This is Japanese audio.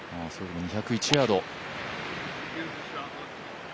２０１ヤード。